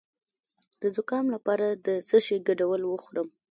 د زکام لپاره د څه شي ګډول وخورم؟